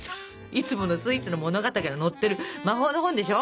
いつものスイーツの物語が載ってる魔法の本でしょ？